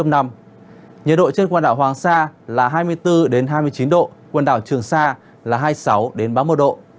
nhiệt độ trên quần đảo hoàng sa là hai mươi bốn hai mươi chín độ quần đảo trường sa là hai mươi sáu ba mươi một độ